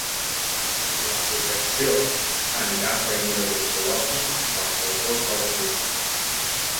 La projecció anirà seguida d’un col·loqui amb els autors del film.